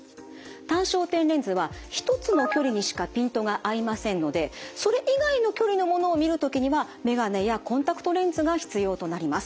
単焦点レンズは一つの距離にしかピントが合いませんのでそれ以外の距離のものを見る時には眼鏡やコンタクトレンズが必要となります。